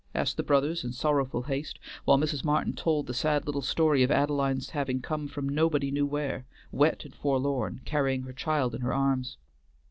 asked the brothers in sorrowful haste, while Mrs. Martin told the sad little story of Adeline's having come from nobody knew where, wet and forlorn, carrying her child in her arms.